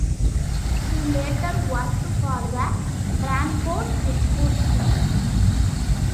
She later worked for the "Brantford Expositor".